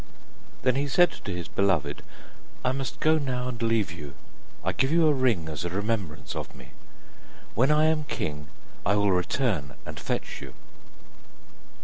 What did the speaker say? Then he said to his beloved: 'I must now go and leave you, I give you a ring as a remembrance of me. When I am king, I will return and fetch you.